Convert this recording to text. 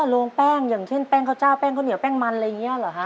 โรงแป้งอย่างเช่นแป้งข้าวเจ้าแป้งข้าวเหนียวแป้งมันอะไรอย่างนี้เหรอฮะ